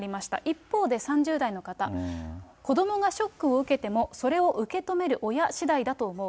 一方で、３０代の方、子どもがショックを受けても、それを受け止める親しだいだと思う。